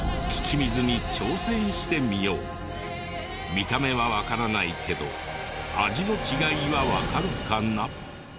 見た目はわからないけど味の違いはわかるかな？